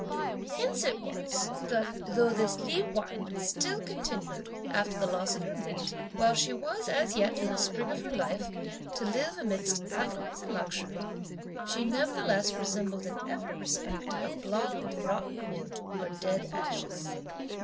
Hence it was that, though this Li Wan still continued, after the loss of her mate, while she was as yet in the spring of her life, to live amidst affluence and luxury, she nevertheless resembled in every respect a block of rotten wood or dead ashes.